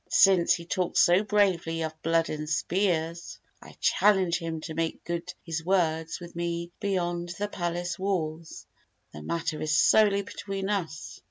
But since he talks so bravely of blood and spears, I challenge him to make good his words with me beyond the palace walls. The matter is solely between us.